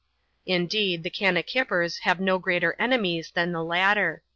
Indeed, the kannakippers have no greater enemies than the latter.